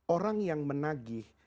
orang yang menagih